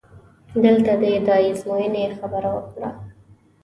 دلته دې د ازموینې خبره وکړه؟!